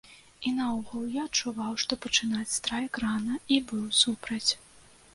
І наогул, я адчуваў, што пачынаць страйк рана і быў супраць.